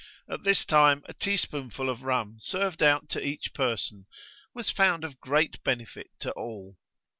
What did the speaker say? At this time a teaspoonful of rum served out to each person was found of great benefit to all.